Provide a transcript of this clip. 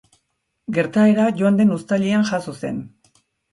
Gertaera joan den uztailean jazo zen.